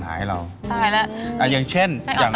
แม่บ้านประจันบัน